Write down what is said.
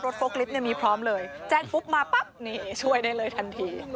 รถโฟล์คลิฟต์มีพร้อมเลยแจ้งปุ๊บมาปั๊บช่วยได้เลยทันที